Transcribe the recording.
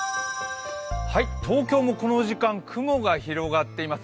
東京もこの時間雲が広がっています。